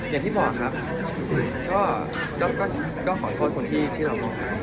อย่างที่บอกครับก็ขอโทษคนที่เรามองหา